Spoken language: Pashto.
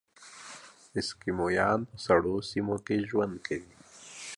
اسکیمویان په سړو سیمو کې ژوند کوي.